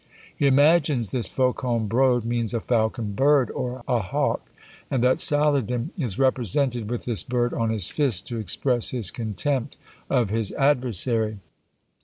He imagines this Faucon brode means a falcon bird, or a hawk, and that Saladin is represented with this bird on his fist to express his contempt of his adversary.